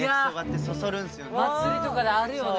祭りとかであるよね。